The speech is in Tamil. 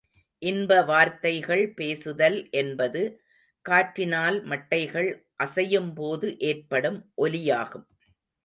இன்ப வார்த்தைகள் பேசுதல் என்பது, காற்றினால் மட்டைகள் அசையும்போது ஏற்படும் ஒலியாகும்.